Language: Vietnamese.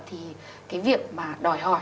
thì cái việc mà đòi hỏi